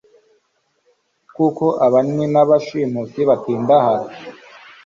kuko abanywi n’abashimusi batindahara